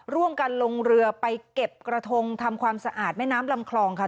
ร่วมกันลงเรือไปเก็บกระทงทำความสะอาดแม่น้ำลำคลองค่ะ